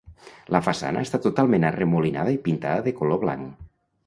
La façana està totalment arremolinada i pintada de color blanc.